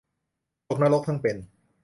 ตกนรกทั้งเป็น